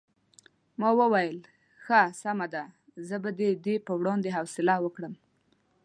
ما وویل ښه سمه ده زه به د دې په وړاندې حوصله وکړم.